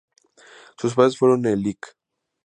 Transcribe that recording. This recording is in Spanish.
Sus padres fueron el Lic.